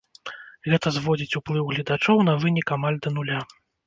Гэта зводзіць уплыў гледачоў на вынік амаль да нуля.